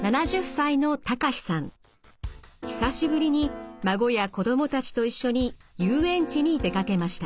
久しぶりに孫や子供たちと一緒に遊園地に出かけました。